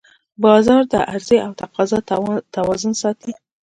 بازار د عرضې او تقاضا توازن ساتي